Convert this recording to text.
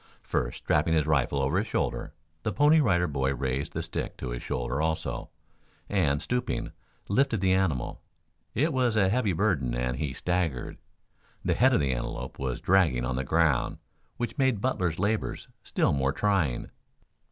First strapping his rifle over his shoulder, the Pony Rider Boy raised the stick to his shoulders also, and, stooping, lifted the animal. It was a heavy burden and he staggered. The head of the antelope was dragging on the ground, which made Butler's labor still more trying.